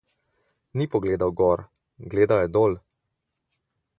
Ni pogledal gor, gledal je dol.